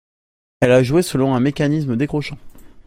Elle a joué selon un mécanisme décrochant.